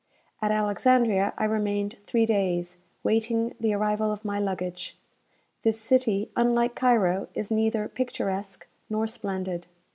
At Alexandria I remained three days, waiting the arrival of my luggage. This city, unlike Cairo, is neither picturesque nor splendid.